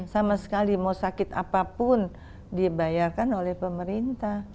sama sekali mau sakit apapun dibayarkan oleh pemerintah